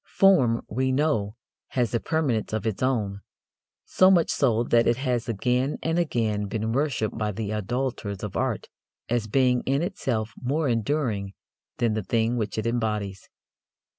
Form, we know, has a permanence of its own: so much so that it has again and again been worshipped by the idolators of art as being in itself more enduring than the thing which it embodies.